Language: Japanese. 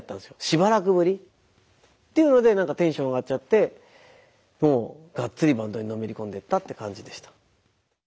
しばらくぶり。っていうので何かテンション上がっちゃってもうがっつりバンドにのめり込んでいったって感じでした。